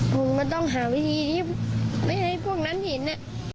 ผมก็ต้องหาวิธีไม่ให้พวกนั้นเห็น